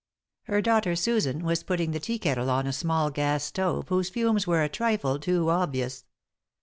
Her daughter, Susan, was putting the tea kettle on a small gas stove whose fumes were a trifle too obvious.